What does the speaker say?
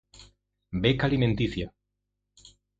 Beca Alimenticia.